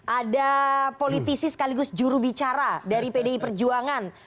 ada politisi sekaligus jurubicara dari pdi perjuangan